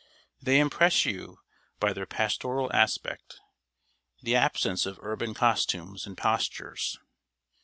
They impress you by their pastoral aspect the absence of urban costumes and postures.